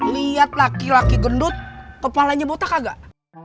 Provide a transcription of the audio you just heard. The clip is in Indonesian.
lihat laki laki gendut kepalanya botak gak